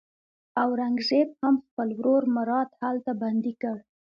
اورنګزېب هم خپل ورور مراد هلته بندي کړ.